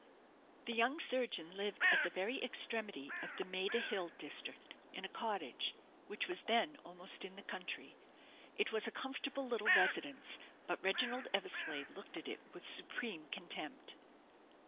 The young surgeon lived at the very extremity of the Maida Hill district, in a cottage, which was then almost in the country. It was a comfortable little residence; but Reginald Eversleigh looked at it with supreme contempt.